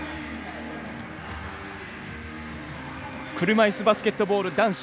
車いすバスケットボール男子。